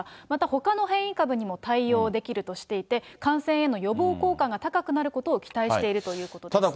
またほかの変異株にも対応できるとしていて、感染への予防効果が高くなることを期待しているということです。